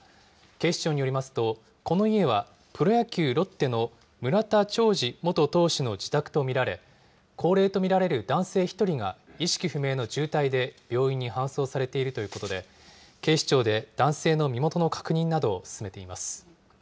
警視庁によりますと、この家はプロ野球・ロッテの村田兆治元投手の自宅と見られ、高齢と見られる男性１人が意識不明の重体で病院に搬送されているということで、警視庁で男性の身元の確認などを進めています。